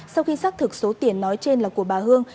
sau khi xác thực số tiền nói trên là của bà hương